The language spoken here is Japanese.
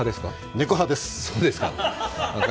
猫派です！